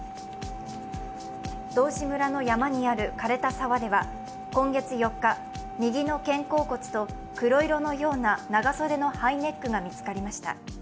道志村の山にある枯れた沢では今月４日、右の肩甲骨と黒色のような長袖のハイネックが見つかりました。